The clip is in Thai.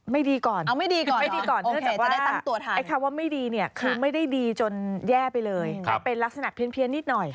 ไม่ดีก่อนเพื่อจับว่าไอ้คำว่าไม่ดีเนี่ยคือไม่ได้ดีจนแย่ไปเลย